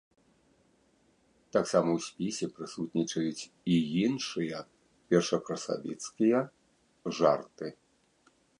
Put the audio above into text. Таксама ў спісе прысутнічаюць і іншыя першакрасавіцкія жарты.